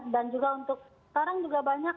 dan juga untuk sekarang juga banyak